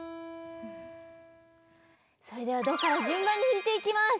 それではドからじゅんばんにひいていきます。